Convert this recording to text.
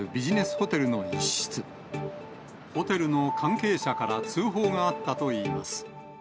ホテルの関係者から通報があったといいます。